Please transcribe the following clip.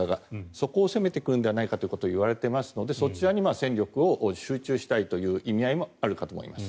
そこを攻めてくるのではないかといわれていますのでそちらに戦力を集中したいという意味合いもあるかと思います。